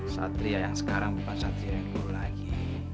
satria yang sekarang bukan satria yang dulu lagi